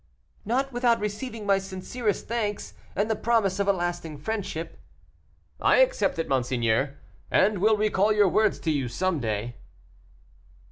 "Not without receiving my sincere thanks and the promise of a lasting friendship." "I accept it, monseigneur, and will recall your words to you some day."